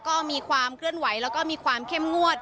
ก็มีความเคลื่อนไหวแล้วก็มีความเข้มงวด